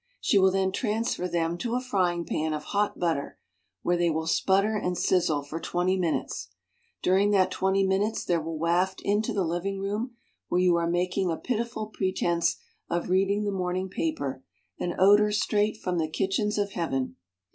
She will then transfer them to a fry ing pan of hot butter, where they will sputter and sizzle for twenty minutes. During that twenty minutes there will waft into the living room, where you are making a pitiful pretense of reading the morning paper, an odor straight from the kitchens of heaven.